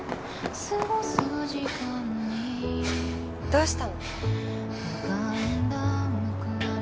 どうしたの？